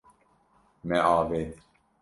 Me avêt.